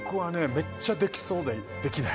めっちゃできそうでできない